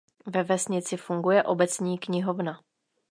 Ve vesnici funguje obecní knihovna.